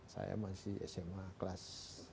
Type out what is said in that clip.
saya masih sma kelas